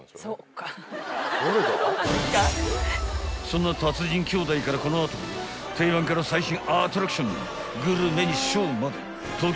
［そんな達人兄弟からこの後定番から最新アトラクショングルメにショーまで］